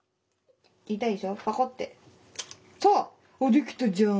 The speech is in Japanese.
できたじゃん。